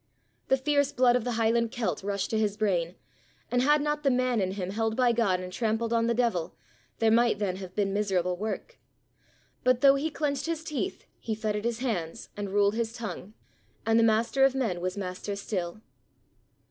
The fierce blood of the highland Celt rushed to his brain, and had not the man in him held by God and trampled on the devil, there might then have been miserable work. But though he clenched his teeth, he fettered his hands, and ruled his tongue, and the Master of men was master still.